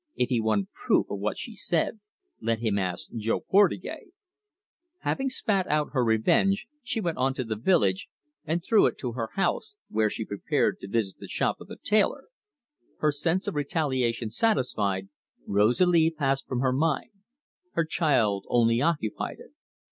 If he wanted proof of what she said, let him ask Jo Portugais. Having spat out her revenge, she went on to the village, and through it to her house, where she prepared to visit the shop of the tailor. Her sense of retaliation satisfied, Rosalie passed from her mind; her child only occupied it.